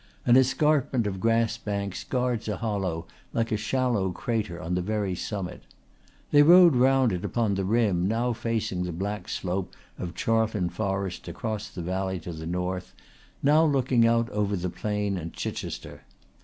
An escarpment of grass banks guards a hollow like a shallow crater on the very summit. They rode round it upon the rim, now facing the black slope of Charlton Forest across the valley to the north, now looking out over the plain and Chichester.